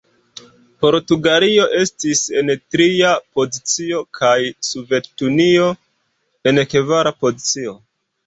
Portugalio estis en tria pozicio, kaj Sovetunio en kvara pozicio.